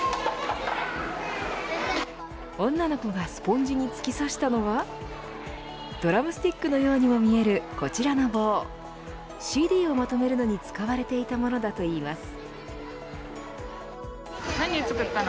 女の子がスポンジに突き刺したのはドラムスティックのようにも見えるこちらの棒ＣＤをまとめるのに使われていたものだといいます。